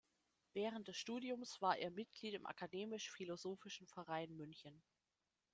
Während des Studiums war er Mitglied im akademisch-philosophischen Verein München.